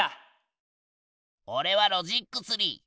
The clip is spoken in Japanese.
おれはロジックツリー。